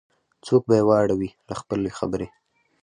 څوک به یې واړوي له خپل خبري